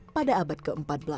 pada abad ke empat belas